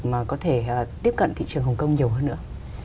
mà có thể tiếp cận thị trường hồng kông nhiều hơn nữa